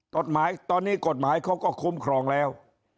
ตอนนี้กฎหมายเขาก็คุ้มครองแล้ว